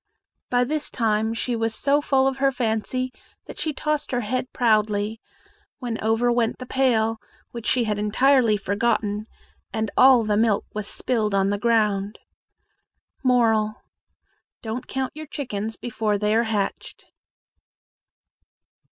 By this time she was so full of her fancy that she tossed her head proudly, when over went the pail, which she had entirely forgotten, and all the milk was spilled on the ground. Moral. Don't count your chickens before they are hatched.